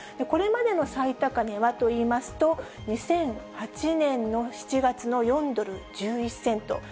これまでの最高値はといいますと、２００８年の７月の４ドル１１セント。